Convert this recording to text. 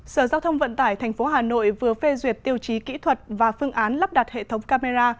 sở giao thông vận tải tp hà nội vừa phê duyệt tiêu chí kỹ thuật và phương án lắp đặt hệ thống camera